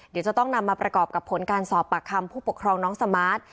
เดี๋ยวจะต้องนำมาประกอบกับผลการสอบปากคำผู้ปกครองน้องสมาร์ท